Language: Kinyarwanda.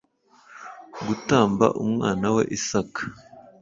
gutamba umwana we isaka